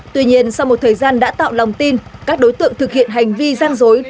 tuy nhiên sau một thời gian đã tạo lòng tin các đối tượng thực hiện hành vi gian dối